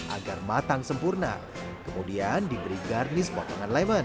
agar matang sempurna kemudian diberi garnish potongan lemon